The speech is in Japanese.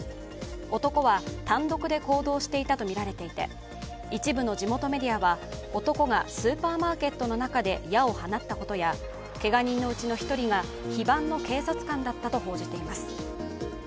男は単独で行動していたとみられていて一部の地元メディアは男がスーパーマーケットの中で矢を放ったことや、けが人のうちの１人が非番の警察官だったと報じています。